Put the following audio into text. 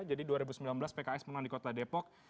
jadi dua ribu sembilan belas pks menang di kota depok